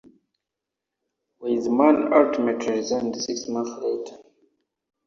Weizman ultimately resigned six months later.